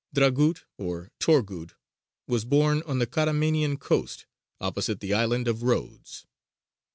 Dragut or Torghūd was born on the Caramanian coast opposite the island of Rhodes.